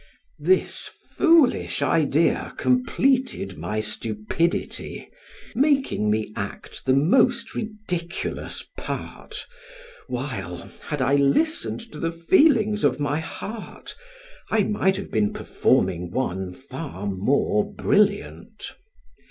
This foolish idea completed my stupidity, making me act the most ridiculous part, while, had I listened to the feelings of my heart, I might have been performing one far more brilliant.